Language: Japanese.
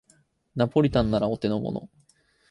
ナポリタンならお手のもの